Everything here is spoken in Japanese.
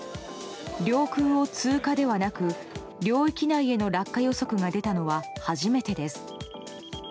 領空を通過ではなく領域内への落下予測が出たのは初めてです。